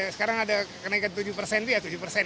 sekarang ada kenaikan tujuh persen itu ya tujuh persen